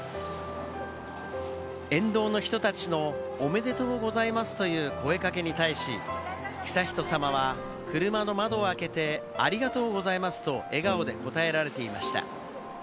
沿道の人たちのおめでとうございますという声掛けに対し、悠仁さまは車の窓を開けて、ありがとうございますと笑顔で答えられていました。